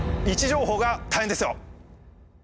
位置情報が大変ですよ。